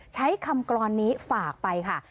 ใช้คำกรอนนี้ฝากไปค่ะ